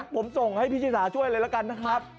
ผมส่งให้พี่ชิสาช่วยเลยละกันนะครับ